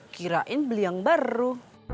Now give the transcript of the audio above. kirain beli yang baru